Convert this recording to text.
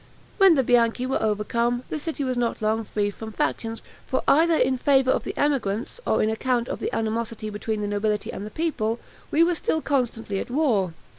When the Bianchi were overcome, the city was not long free from factions; for either, in favor of the emigrants, or on account of the animosity between the nobility and the people, we were still constantly at war.